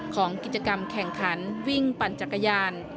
ของกิจกรรมแข่งขันวิ่งปั่นจักรยาน